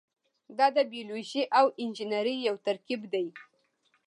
دا د بیولوژي او انجنیری یو ترکیب دی.